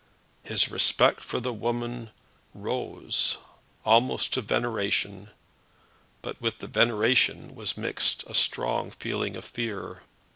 His respect for the woman rose almost to veneration, but with the veneration was mixed a strong feeling of fear.